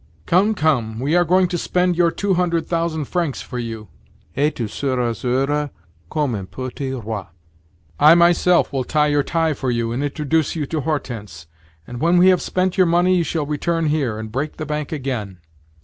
"Come, come! We are going to spend your two hundred thousand francs for you, et tu seras heureux comme un petit roi. I myself will tie your tie for you, and introduce you to Hortense. And when we have spent your money you shall return here, and break the bank again.